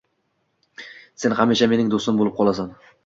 Sen hamisha mening do‘stim bo‘lib qolasan